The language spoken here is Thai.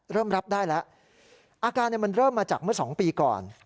เริ่มรับได้แล้วอาการมันเริ่มมาจากเมื่อ๒ปีก่อน